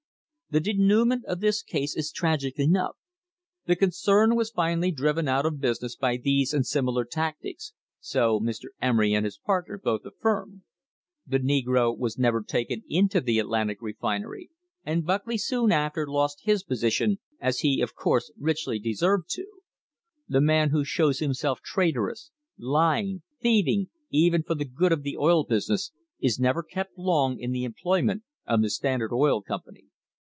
The denouement of this case is tragic enough. The concern was finally driven out of business by these and similar tactics, so Mr. Emery and his partner both affirm. The negro was never taken into the Atlantic Refinery, and Buckley soon after lost his position, as he of course richly deserved to. A man who shows himself traitorous, lying, thieving, even for the "good of the oil business," is never kept long in the em ployment of the Standard Oil Company.